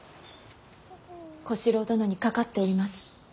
小四郎殿にかかっております。